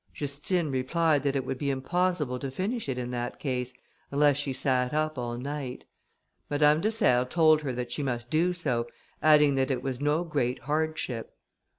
Justine replied that it would be impossible to finish it in that case, unless she sat up all night. Madame de Serres told her that she must do so, adding that it was no great hardship.